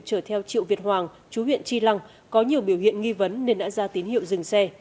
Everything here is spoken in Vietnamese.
chở theo triệu việt hoàng chú huyện tri lăng có nhiều biểu hiện nghi vấn nên đã ra tín hiệu dừng xe